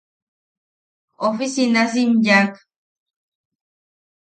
Ofisinasim yaʼawak.